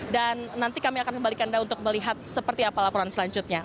dan nanti kami akan kembalikan anda untuk melihat seperti apa laporan selanjutnya